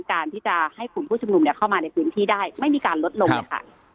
การที่จะให้กลุ่มผู้ชุมนุมเข้ามาในพื้นที่ได้ไม่มีการลดลงเลยค่ะ